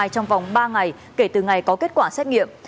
trong vòng ba ngày kể từ ngày có kết quả xét nghiệm